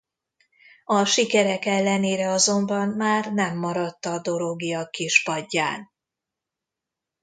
A sikerek ellenére azonban már nem maradt a dorogiak kispadján.